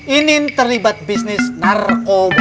inin terlibat bisnis narkoba